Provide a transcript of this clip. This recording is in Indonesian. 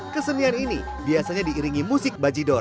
kesenian ini biasanya diiringi musik bajidor